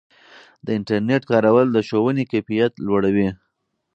د انټرنیټ کارول د ښوونې کیفیت لوړوي.